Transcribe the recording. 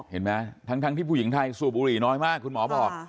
เห็นไหมทั้งที่ผู้หญิงไทยสูบบุหรี่น้อยมากคุณหมอบอก